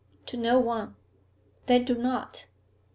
'To no one.' 'Then do not.